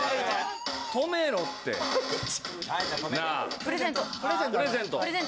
プレゼントプレゼントを。